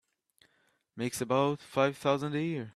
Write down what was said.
Makes about five thousand a year.